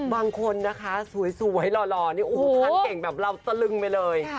บางคนนะคะสวยหล่อนี่โอ้โหท่านเก่งแบบเราตะลึงไปเลย